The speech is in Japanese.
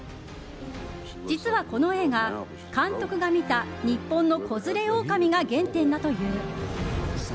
実は、この映画、監督が見た日本の「子連れ狼」が原点だという。